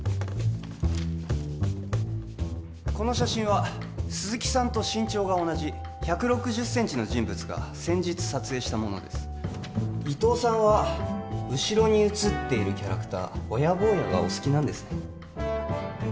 この写真は鈴木さんと身長が同じ１６０センチの人物が先日撮影したものです伊藤さんは後ろに写っているキャラクターホヤぼーやがお好きなんですね？